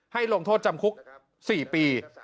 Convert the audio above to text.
ลงโทษจำคุก๔ปี